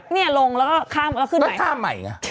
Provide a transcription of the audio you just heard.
นี่ลงแล้วข้ามแล้วขึ้นใหม่แล้วข้ามใหม่